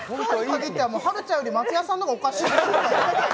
はるちゃんより松也さんの方がおかしいんじゃない。